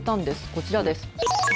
こちらです。